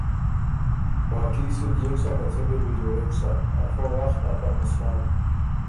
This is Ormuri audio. باقي سو ديېک سۀ که څۀ دې بو جوړېک سۀ ”افۀ وخت افۀ مسلات“